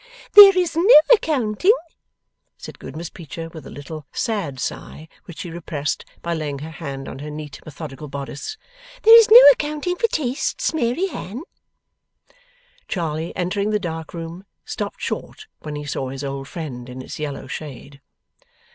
'There is no accounting,' said good Miss Peecher with a little sad sigh which she repressed by laying her hand on her neat methodical boddice, 'there is no accounting for tastes, Mary Anne.' Charley, entering the dark room, stopped short when he saw his old friend in its yellow shade.